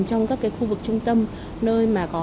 trong các cái khu vực trung tâm nơi mà có